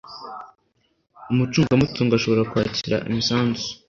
Umucungamutungo ashobora kwakira imisanzu